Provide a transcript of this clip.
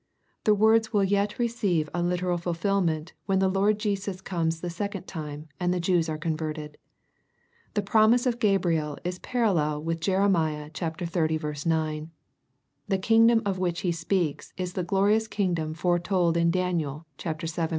The words will yet receive a literal fulfil ment, when the Lord Jesus comes the second time, and the Jews are converted. The promise of Gabriel is parallel with Jeremiah xxx. 9. The kingdom of which he speaks, is the glorious kingdom foretold in Daniel vii.